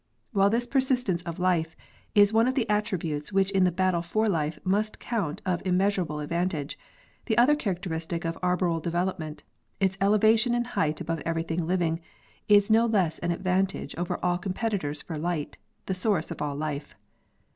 While this persistence of life is one of the attributes which in the battle for life must count of immeasurable advantage, the other characteristic of arboreal development, its elevation in height above everything living, is no less an advantagé over all competitors for light, the source of all life.